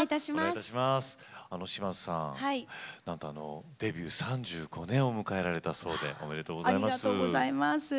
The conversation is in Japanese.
島津さん、なんとデビュー３５年を迎えられたありがとうございます。